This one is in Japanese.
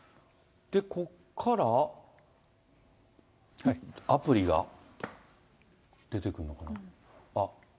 ここからアプリが出てくるのかな。